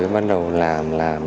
bắt đầu làm